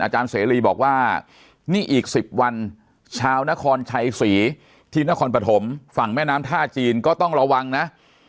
เสรีบอกว่านี่อีก๑๐วันชาวนครชัยศรีที่นครปฐมฝั่งแม่น้ำท่าจีนก็ต้องระวังนะ